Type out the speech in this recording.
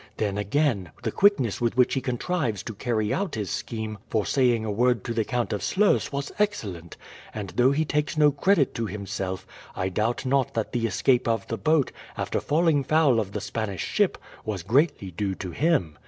Then, again, the quickness with which he contrives to carry out his scheme for saying a word to the Count of Sluys was excellent; and though he takes no credit to himself, I doubt not that the escape of the boat, after falling foul of the Spanish ship, was greatly due to him.